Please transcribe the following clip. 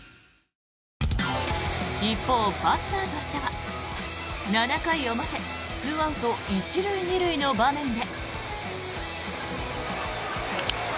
一方、バッターとしては７回表２アウト１塁２塁の場面で。